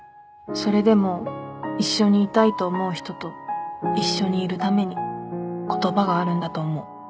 それでも一緒にいたいと思う人と一緒にいるために言葉があるんだと思う。